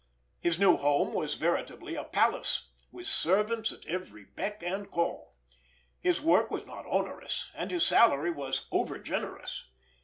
His new home was veritably a palace, with servants at every beck and call. His work was not onerous; and his salary was over generous.